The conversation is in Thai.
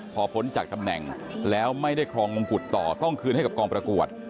พอพ้นจากตำแหน่งแล้วไม่ได้ครองมงกุฎต่อต้องคืนให้กับกองประกวด